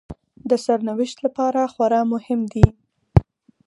د سرنوشت لپاره خورا مهم دي